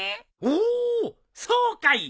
おーっそうかい。